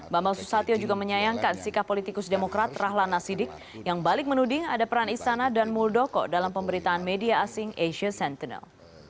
bambang susatyo juga menyayangkan sikap politikus demokrat rahlana sidik yang balik menuding ada peran istana dan muldoko dalam pemberitaan media asing asia sentinel